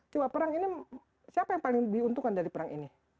jiwa perang ini siapa yang paling diuntungkan dari perang ini